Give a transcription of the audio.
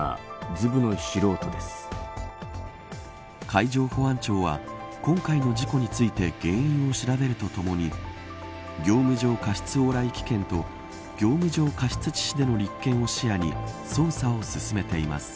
海上保安庁は今回の事故について原因を調べるとともに業務上過失往来危険と業務上過失致死での立件を視野に捜査を進めています。